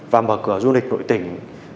và mở cửa du lịch nội tỉnh